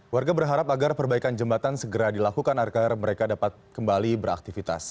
warga berharap agar perbaikan jembatan segera dilakukan agar mereka dapat kembali beraktivitas